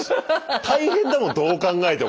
大変だもんどう考えても。